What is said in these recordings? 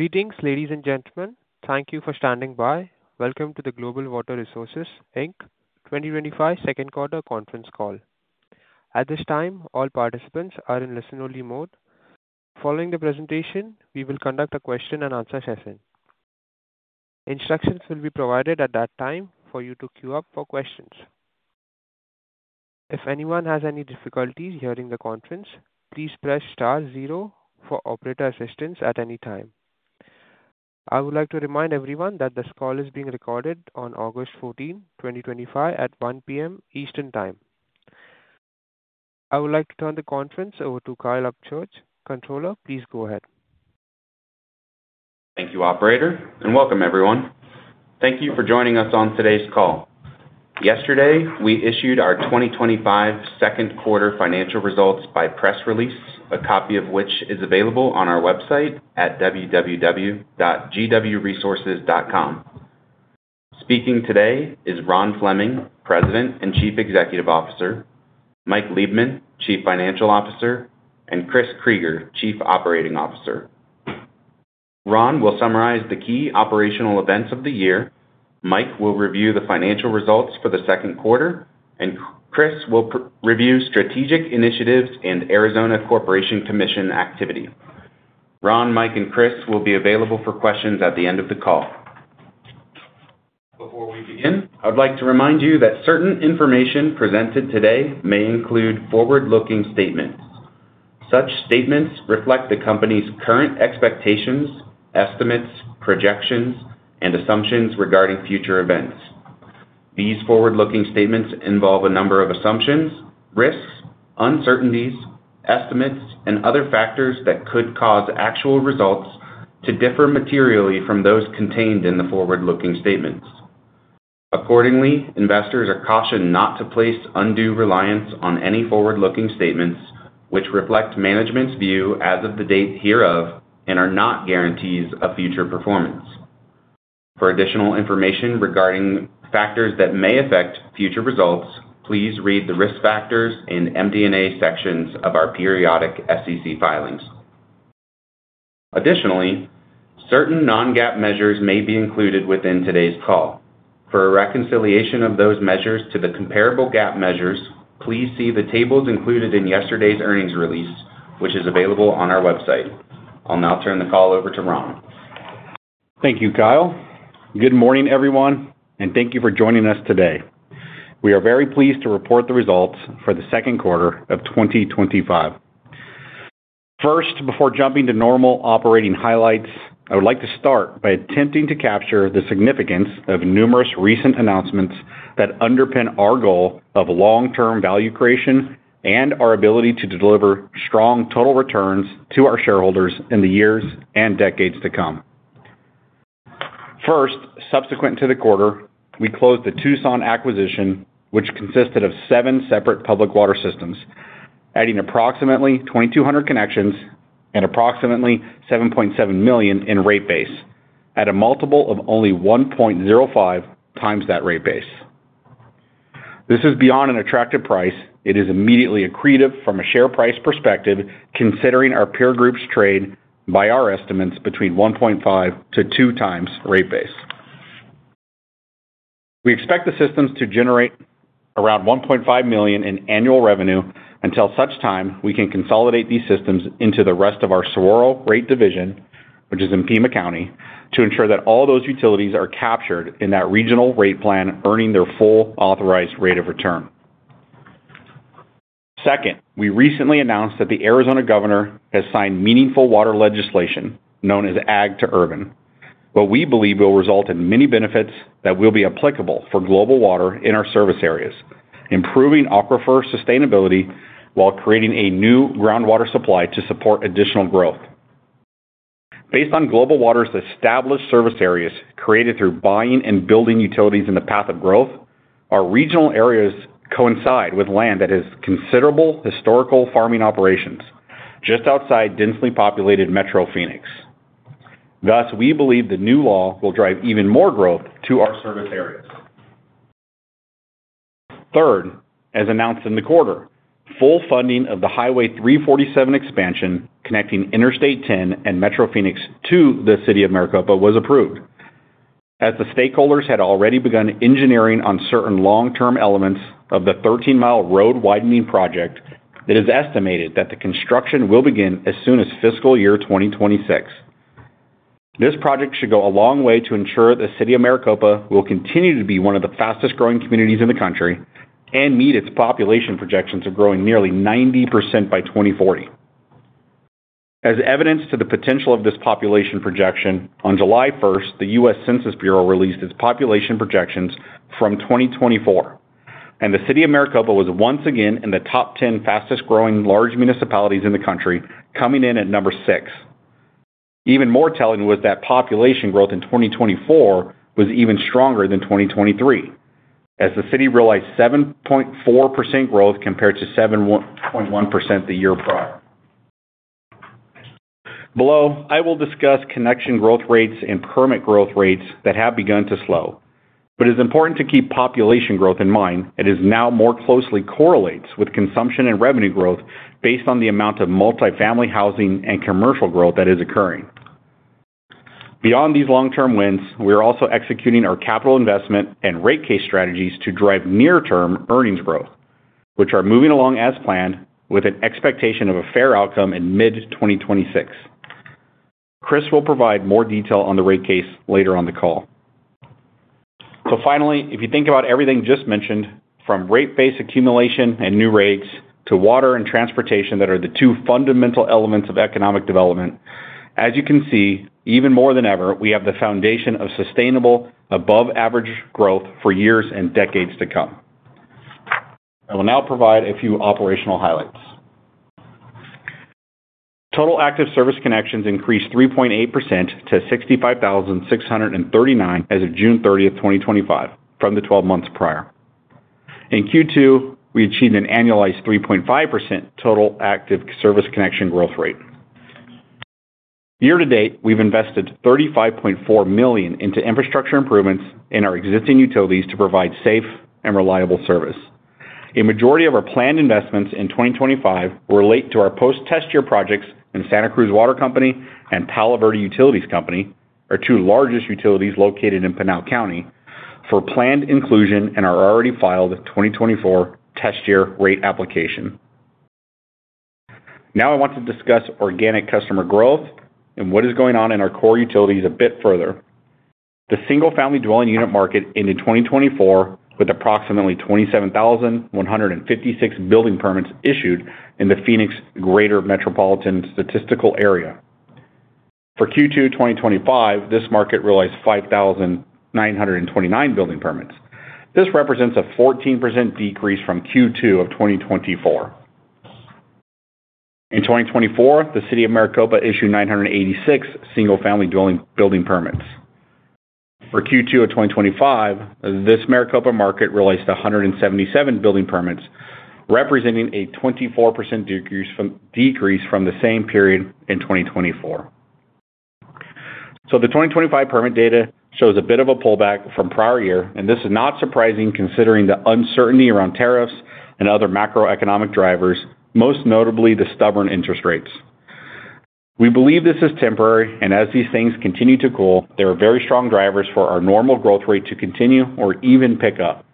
Meetings, ladies and gentlemen, thank you for standing by. Welcome to the Global Water Resources, Inc. 2025 Second Quarter Conference Call. At this time, all participants are in listen-only mode. Following the presentation, we will conduct a question and answer session. Instructions will be provided at that time for you to queue up for questions. If anyone has any difficulties during the conference, please press star zero for operator assistance at any time. I would like to remind everyone that this call is being recorded on August 14, 2025, at 1:00 PM. Eastern Time. I would like to turn the conference over to Kyle Upchurch, Controller. Please go ahead. Thank you, Operator, and welcome everyone. Thank you for joining us on today's call. Yesterday, we issued our 2025 Second Quarter Financial Results by press release, a copy of which is available on our website at www.gwresources.com. Speaking today is Ron Fleming, President and Chief Executive Officer, Mike Liebman, Chief Financial Officer, and Chris Krygier, Chief Operating Officer. Ron will summarize the key operational events of the year, Mike will review the financial results for the second quarter, and Chris will review strategic initiatives and Arizona Corporation Commission activity. Ron, Mike, and Chris will be available for questions at the end of the call. Before we begin, I would like to remind you that certain information presented today may include forward-looking statements. Such statements reflect the company's current expectations, estimates, projections, and assumptions regarding future events. These forward-looking statements involve a number of assumptions, risks, uncertainties, estimates, and other factors that could cause actual results to differ materially from those contained in the forward-looking statements. Accordingly, investors are cautioned not to place undue reliance on any forward-looking statements, which reflect management's view as of the date hereof and are not guarantees of future performance. For additional information regarding factors that may affect future results, please read the risk factors in MD&A sections of our periodic SEC filings. Additionally, certain non-GAAP measures may be included within today's call. For a reconciliation of those measures to the comparable GAAP measures, please see the tables included in yesterday's earnings release, which is available on our website. I'll now turn the call over to Ron. Thank you, Kyle. Good morning, everyone, and thank you for joining us today. We are very pleased to report the results for the second quarter of 2025. First, before jumping to normal operating highlights, I would like to start by attempting to capture the significance of numerous recent announcements that underpin our goal of long-term value creation and our ability to deliver strong total returns to our shareholders in the years and decades to come. First, subsequent to the quarter, we closed the Tucson acquisition, which consisted of seven separate public water systems, adding approximately 2,200 connections and approximately $7.7 million in rate base, at a multiple of only 1.05x that rate base. This is beyond an attractive price, it is immediately accretive from a share price perspective, considering our peer groups trade, by our estimates, between 1.5x-2x rate base. We expect the systems to generate around $1.5 million in annual revenue until such time we can consolidate these systems into the rest of our Saguaro rate division, which is in Pima County, to ensure that all those utilities are captured in that regional rate plan, earning their full authorized rate of return. Second, we recently announced that the Arizona Governor has signed meaningful water legislation known as AG to Urban, what we believe will result in many benefits that will be applicable for Global Water in our service areas, improving aquifer sustainability while creating a new groundwater supply to support additional growth. Based on Global Water Resources' established service areas created through buying and building utilities in the path of growth, our regional areas coincide with land that has considerable historical farming operations just outside densely populated Metro Phoenix. Thus, we believe the new law will drive even more growth to our service areas. Third, as announced in the quarter, full funding of the Highway 347 expansion connecting Interstate 10 and Metro Phoenix to the City of Maricopa was approved. As the stakeholders had already begun engineering on certain long-term elements of the 13 mi road widening project, it is estimated that the construction will begin as soon as fiscal year 2026. This project should go a long way to ensure the City of Maricopa will continue to be one of the fastest-growing communities in the country and meet its population projections of growing nearly 90% by 2040. As evidence to the potential of this population projection, on July 1st, the U.S. Census Bureau released its population projections from 2024, and the City of Maricopa was once again in the top 10 fastest-growing large municipalities in the country, coming in at number six. Even more telling was that population growth in 2024 was even stronger than 2023, as the city realized 7.4% growth compared to 7.1% the year before. Below, I will discuss connection growth rates and permit growth rates that have begun to slow, but it is important to keep population growth in mind. It is now more closely correlated with consumption and revenue growth based on the amount of multifamily housing and commercial growth that is occurring. Beyond these long-term wins, we are also executing our capital investment and rate case strategies to drive near-term earnings growth, which are moving along as planned, with an expectation of a fair outcome in mid-2026. Chris will provide more detail on the rate case later on the call. Finally, if you think about everything just mentioned, from rate-based accumulation and new rates to water and transportation that are the two fundamental elements of economic development, as you can see, even more than ever, we have the foundation of sustainable, above-average growth for years and decades to come. I will now provide a few operational highlights. Total active service connections increased 3.8% to 65,639 as of June 30th, 2025, from the 12 months prior. In Q2, we achieved an annualized 3.5% total active service connection growth rate. Year to date, we've invested $35.4 million into infrastructure improvements in our existing utilities to provide safe and reliable service. A majority of our planned investments in 2025 relate to our post-test year projects in Santa Cruz Water Company and Palo Verde Utilities Company, our two largest utilities located in Pinal County, for planned inclusion in our already filed 2024 test year rate application. Now I want to discuss organic customer growth and what is going on in our core utilities a bit further. The single-family dwelling unit market ended 2024 with approximately 27,156 building permits issued in the Phoenix Greater Metropolitan Statistical Area. For Q2 2025, this market realized 5,929 building permits. This represents a 14% decrease from Q2 of 2024. In 2024, the City of Maricopa issued 986 single-family dwelling building permits. For Q2 of 2025, this Maricopa market realized 177 building permits, representing a 24% decrease from the same period in 2024. The 2025 permit data shows a bit of a pullback from prior year, and this is not surprising considering the uncertainty around tariffs and other macroeconomic drivers, most notably the stubborn interest rates. We believe this is temporary, and as these things continue to cool, there are very strong drivers for our normal growth rate to continue or even pick up.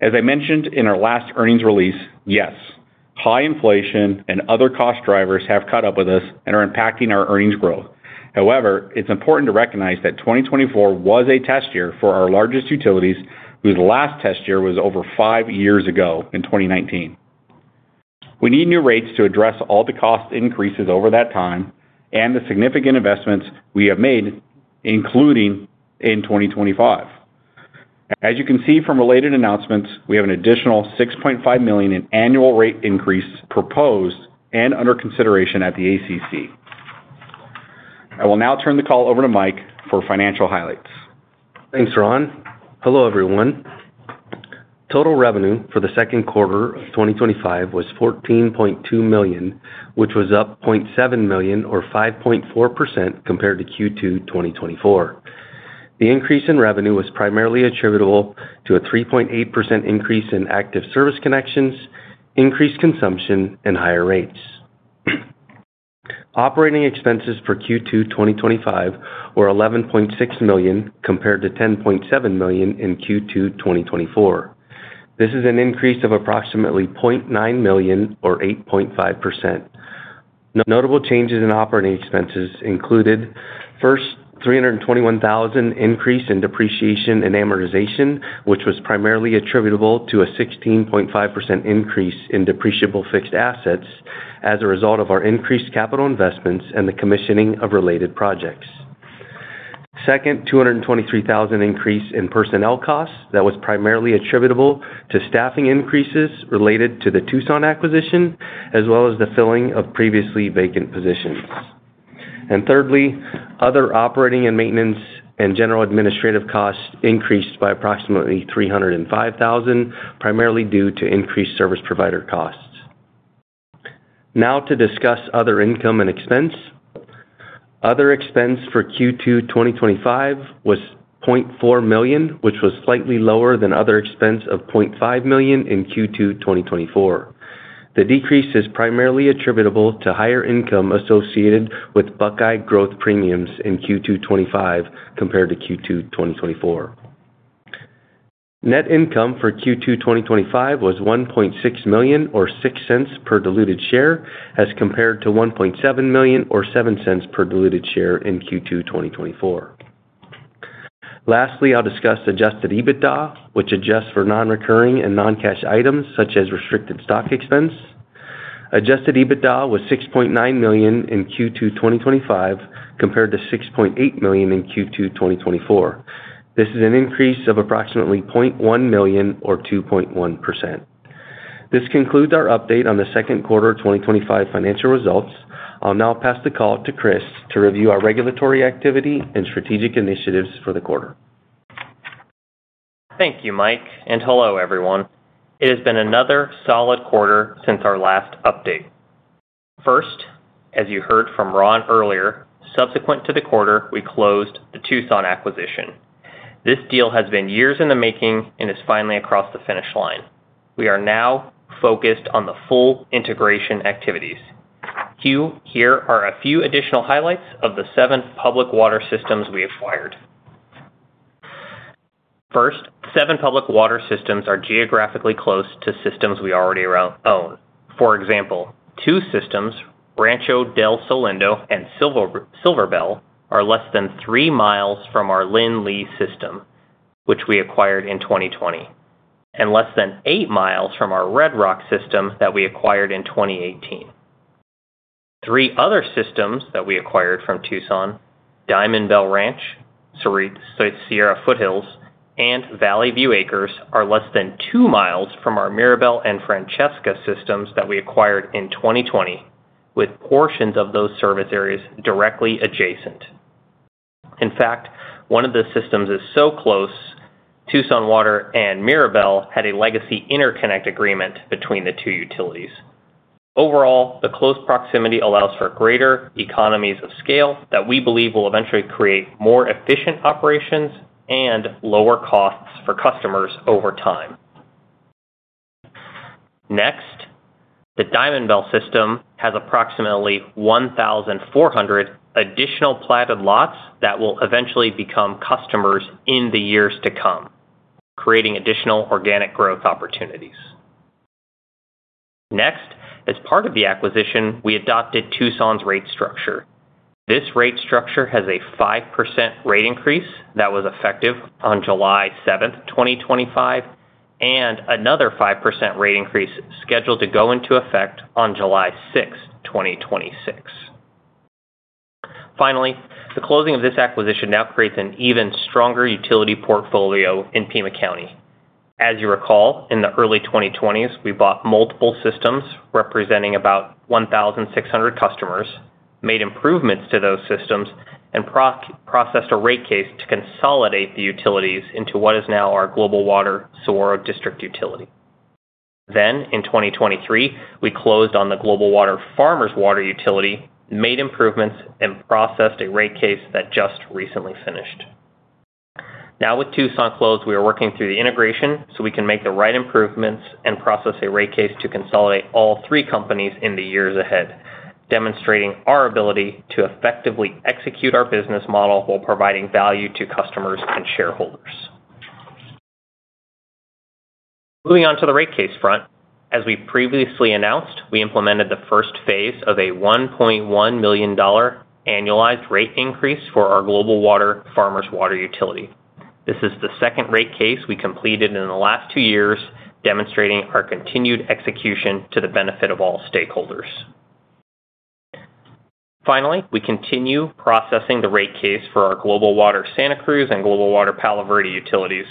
As I mentioned in our last earnings release, yes, high inflation and other cost drivers have caught up with us and are impacting our earnings growth. However, it's important to recognize that 2024 was a test year for our largest utilities, whose last test year was over five years ago in 2019. We need new rates to address all the cost increases over that time and the significant investments we have made, including in 2025. As you can see from related announcements, we have an additional $6.5 million in annual rate increase proposed and under consideration at the ACC. I will now turn the call over to Mike for financial highlights. Thanks, Ron. Hello everyone. Total revenue for the second quarter of 2025 was $14.2 million, which was up $0.7 million or 5.4% compared to Q2 2024. The increase in revenue was primarily attributable to a 3.8% increase in active service connections, increased consumption, and higher rates. Operating expenses for Q2 2025 were $11.6 million compared to $10.7 million in Q2 2024. This is an increase of approximately $0.9 million or 8.5%. Notable changes in operating expenses included: first, a $321,000 increase in depreciation and amortization, which was primarily attributable to a 16.5% increase in depreciable fixed assets as a result of our increased capital investments and the commissioning of related projects. Second, a $223,000 increase in personnel costs that was primarily attributable to staffing increases related to the Tucson acquisition, as well as the filling of previously vacant positions. Thirdly, other operating and maintenance and general administrative costs increased by approximately $305,000, primarily due to increased service provider costs. Now to discuss other income and expense. Other expense for Q2 2025 was $0.4 million, which was slightly lower than other expense of $0.5 million in Q2 2024. The decrease is primarily attributable to higher income associated with Buckeye growth premiums in Q2 2025 compared to Q2 2024. Net income for Q2 2025 was $1.6 million or $0.06 per diluted share, as compared to $1.7 million or $0.07 per diluted share in Q2 2024. Lastly, I'll discuss adjusted EBITDA, which adjusts for non-recurring and non-cash items such as restricted stock expense. Adjusted EBITDA was $6.9 million in Q2 2025 compared to $6.8 million in Q2 2024. This is an increase of approximately $0.1 million or 2.1%. This concludes our update on the second quarter 2025 financial results. I'll now pass the call to Chris to review our regulatory activity and strategic initiatives for the quarter. Thank you, Mike, and hello everyone. It has been another solid quarter since our last update. First, as you heard from Ron earlier, subsequent to the quarter, we closed the Tucson acquisition. This deal has been years in the making and is finally across the finish line. We are now focused on the full integration activities. Here are a few additional highlights of the seven public water systems we acquired. First, seven public water systems are geographically close to systems we already own. For example, two systems, Rancho del Salindo and Silverbell, are less than 3 mi from our Lynn Lee System, which we acquired in 2020, and less than 8 mi from our Red Rock system that we acquired in 2018. Three other systems that we acquired from Tucson, Diamond Bell Ranch, Cerritos Sierra Foothills, and Valley View Acres, are less than 2 mi from our Mirabel and Francesca systems that we acquired in 2020, with portions of those service areas directly adjacent. In fact, one of the systems is so close, Tucson Water and Mirabel had a legacy interconnect agreement between the two utilities. Overall, the close proximity allows for greater economies of scale that we believe will eventually create more efficient operations and lower costs for customers over time. Next, the Diamond Bell system has approximately 1,400 additional platted lots that will eventually become customers in the years to come, creating additional organic growth opportunities. Next, as part of the acquisition, we adopted Tucson's rate structure. This rate structure has a 5% rate increase that was effective on July 7th, 2025, and another 5% rate increase scheduled to go into effect on July 6th, 2026. Finally, the closing of this acquisition now creates an even stronger utility portfolio in Pima County. As you recall, in the early 2020s, we bought multiple systems representing about 1,600 customers, made improvements to those systems, and processed a rate case to consolidate the utilities into what is now our Global Water Saguaro District Utility. In 2023, we closed on the Global Water Farmers Water Utility, made improvements, and processed a rate case that just recently finished. Now, with Tucson closed, we are working through the integration so we can make the right improvements and process a rate case to consolidate all three companies in the years ahead, demonstrating our ability to effectively execute our business model while providing value to customers and shareholders. Moving on to the rate case front, as we previously announced, we implemented the first phase of a $1.1 million annualized rate increase for our Global Water Farmers Water Utility. This is the second rate case we completed in the last two years, demonstrating our continued execution to the benefit of all stakeholders. Finally, we continue processing the rate case for our Global Water Santa Cruz and Global Water Palo Verde utilities.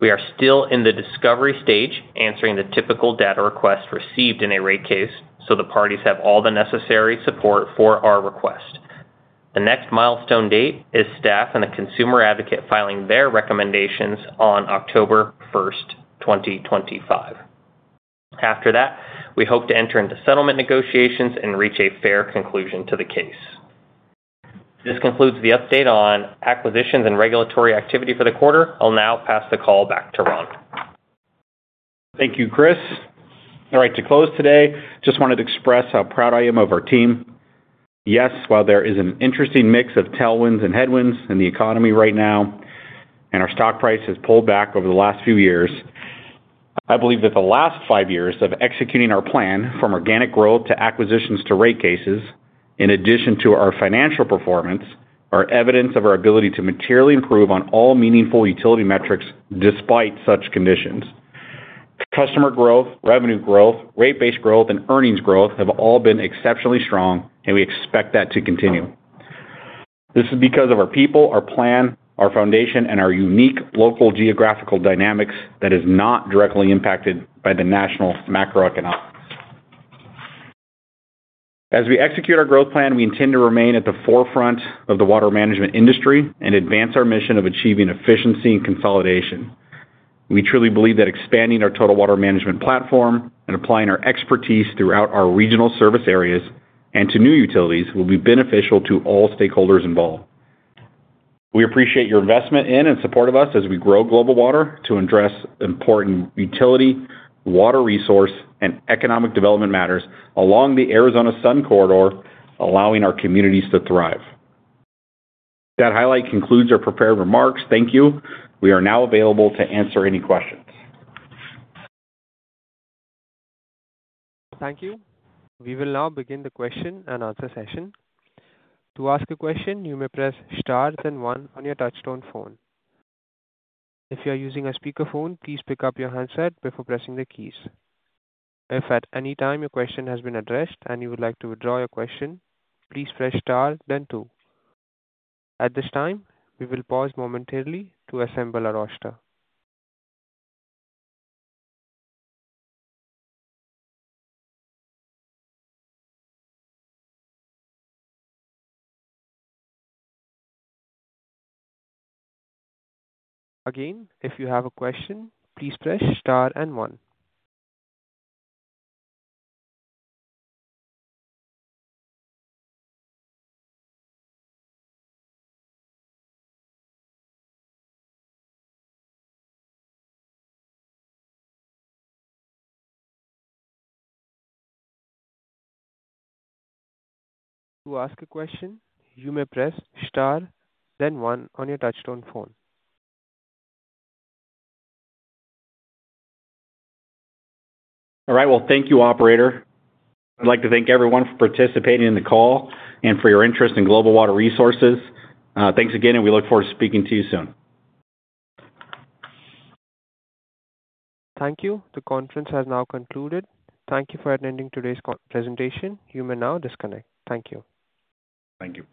We are still in the discovery stage, answering the typical data requests received in a rate case, so the parties have all the necessary support for our request. The next milestone date is staff and the consumer advocate filing their recommendations on October 1st, 2025. After that, we hope to enter into settlement negotiations and reach a fair conclusion to the case. This concludes the update on acquisitions and regulatory activity for the quarter. I'll now pass the call back to Ron. Thank you, Chris. All right, to close today, I just wanted to express how proud I am of our team. Yes, while there is an interesting mix of tailwinds and headwinds in the economy right now, and our stock price has pulled back over the last few years, I believe that the last five years of executing our plan from organic growth to acquisitions to rate cases, in addition to our financial performance, are evidence of our ability to materially improve on all meaningful utility metrics despite such conditions. Customer growth, revenue growth, rate base growth, and earnings growth have all been exceptionally strong, and we expect that to continue. This is because of our people, our plan, our foundation, and our unique local geographical dynamics that are not directly impacted by the national macroeconomic factors. As we execute our growth plan, we intend to remain at the forefront of the water management industry and advance our mission of achieving efficiency and consolidation. We truly believe that expanding our total water management platform and applying our expertise throughout our regional service areas and to new utilities will be beneficial to all stakeholders involved. We appreciate your investment in and support of us as we grow Global Water Resources to address important utility, water resource, and economic development matters along the Arizona Sun Corridor, allowing our communities to thrive. That highlight concludes our prepared remarks. Thank you. We are now available to answer any questions. Thank you. We will now begin the question and answer session. To ask a question, you may press star then one on your touch-tone phone. If you are using a speakerphone, please pick up your handset before pressing the keys. If at any time your question has been addressed and you would like to withdraw your question, please press star then two. At this time, we will pause momentarily to assemble our roster. Again, if you have a question, please press star and one. To ask a question, you may press star then one on your touch-tone phone. All right, thank you, Operator. I'd like to thank everyone for participating in the call and for your interest in Global Water Resources. Thanks again, and we look forward to speaking to you soon. Thank you. The conference has now concluded. Thank you for attending today's presentation. You may now disconnect. Thank you. Thank you.